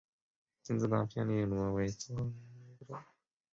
金字塔扁粒螺为左锥螺科扁粒螺属下的一个种。